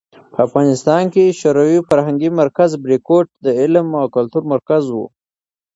په افغانستان کې شوروي فرهنګي مرکز "بریکوټ" د علم او کلتور مرکز و.